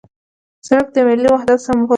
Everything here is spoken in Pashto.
سړک د ملي وحدت سمبول دی.